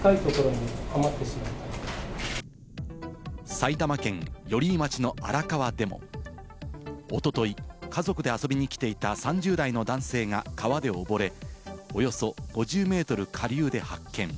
埼玉県寄居町の荒川でもおととい、家族で遊びに来ていた３０代の男性が川で溺れ、およそ５０ｍ下流で発見。